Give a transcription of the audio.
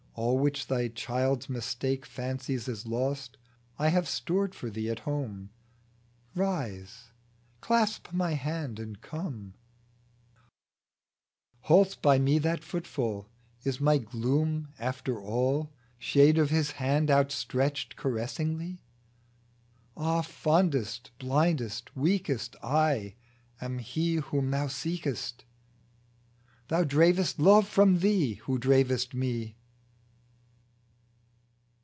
All which thy child's mistake Fancies as lost, I have stored for thee at home : Rise, clasp My hand, and come I '* Halts by me that footfall : Is my gloom, after all, Shade of His hand, outstretched caressingly ?" Ah, fondest, blindest, weakest, I am He Whom thou seekest I Thou dravest love from thee, who dravest Me."